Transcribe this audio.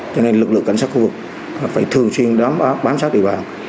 cho nên lực lượng cảnh sát khu vực phải thường xuyên bám sát địa bàn